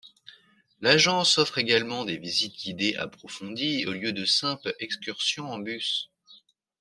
L'agence offre également des visites guidées approfondies au lieu de simples excursions en bus.